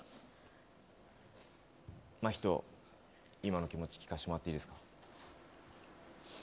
真人、今の気持ち聞かせてもらっていいですか。